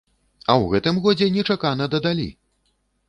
А ў гэтым годзе нечакана дадалі!